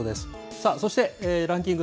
さあ、そしてランキング